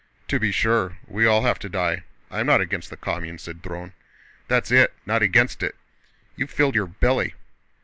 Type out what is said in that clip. "To be sure, we all have to die. I'm not against the commune," said Dron. "That's it—not against it! You've filled your belly...."